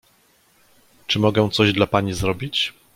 Czy mogę coś dla pani zrobić?